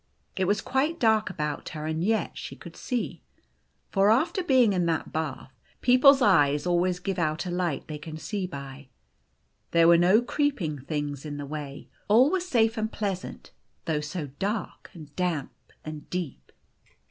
It was quite dark about her, and yet she could see. For after being in that bath, people's eyes always give The Golden Key 203 out a light they can see by. There were no creeping things in the way. All was safe and pleasant, though so dark and damp and deep.